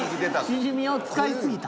シジミを使い過ぎた。